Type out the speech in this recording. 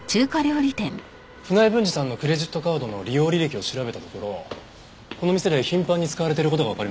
船井文治さんのクレジットカードの利用履歴を調べたところこの店で頻繁に使われている事がわかりました。